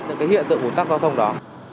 những hiện tượng ồn tắc giao thông đó